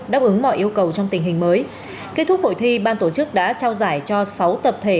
đáp ứng mọi yêu cầu trong tình hình mới kết thúc hội thi ban tổ chức đã trao giải cho sáu tập thể